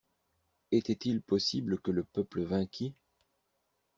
Était-il possible que le peuple vainquît?